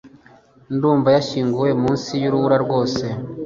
Ndumva yashyinguwe munsi yurubura rwose.